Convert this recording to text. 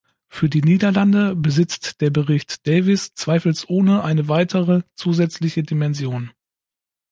Für die Niederlande besitzt der Bericht Davies zweifelsohne eine weitere, zusätzliche Dimension.